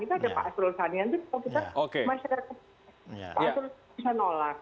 kita ada pak asrul sani yang itu kalau kita masyarakat pak asrul bisa nolak